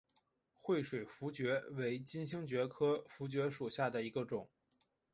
惠水茯蕨为金星蕨科茯蕨属下的一个种。